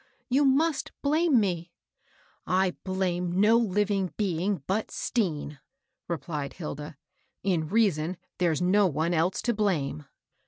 You must blame me !*' "I blame no living being but Stean," replied Hilda. " In reason, there's no one else to blame."